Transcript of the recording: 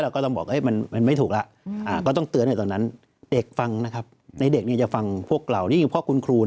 ก็ต้องบอกมันไม่ถูกแล้วก็ต้องเตือนให้ตอนนั้นเด็กฟังนะครับในเด็กเนี่ยจะฟังพวกเรานี่คือเพราะคุณครู